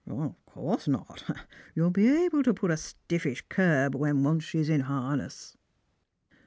" Of course not. You'll be able to put on a stiffish curb when once she's in harness."